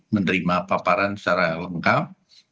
menerima paparan secara lengkap